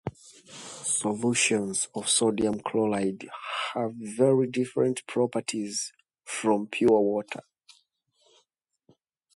Solutions of sodium chloride have very different properties from pure water.